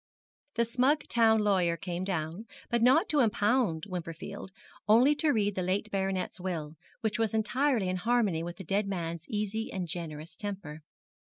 The smug town lawyer came down, but not to impound Wimperfield only to read the late baronet's will, which was entirely in harmony with the dead man's easy and generous temper.